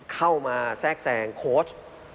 เข้ามาแทรกแซงโค้ช